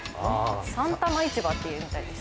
三多摩市場っていうみたいです。